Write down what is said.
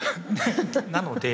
なので。